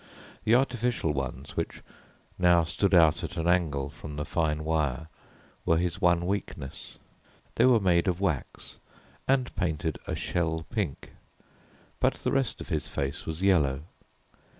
The artificial ones, which now stood out at an angle from the fine wire, were his one weakness. They were made of wax and painted a shell pink, but the rest of his face was yellow.